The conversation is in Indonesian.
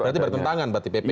berarti bertentangan berarti pp